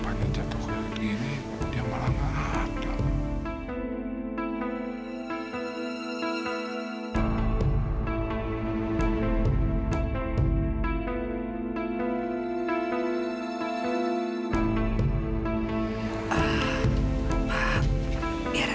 n alike tidak nahan dari rekaman bapak